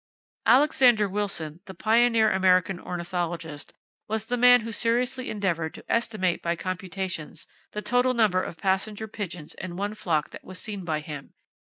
[Page 12] Alexander Wilson, the pioneer American ornithologist, was the man who seriously endeavored to estimate by computations the total number of passenger pigeons in one flock that was seen by him.